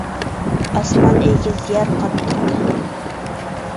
ئاسمان ئېگىز، يەر قاتتىق.